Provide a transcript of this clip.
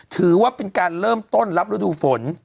ถือว่าเป็นการเริ่มต้นรับฤดูฝน